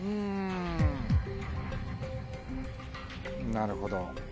なるほど。